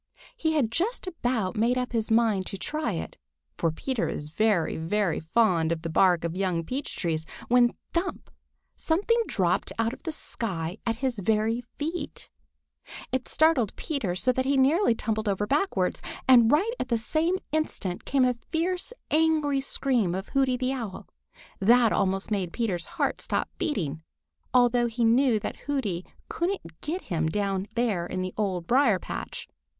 He had just about made up his mind to try it, for Peter is very, very fond of the bark of young peach trees, when thump! something dropped out of the sky at his very feet. It startled Peter so that he nearly tumbled over backward. And right at the same instant came the fierce, angry scream of Hooty the Owl. That almost made Peter's heart stop beating, although he knew that Hooty couldn't get him down there in the Old Briar patch.